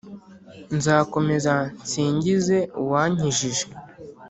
Nzakomeza nsingize Uwankijije.